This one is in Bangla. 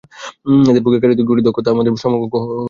এদের পক্ষে কারিগরি দক্ষতায় আমাদের সমকক্ষ হওয়া কখনো সম্ভব না।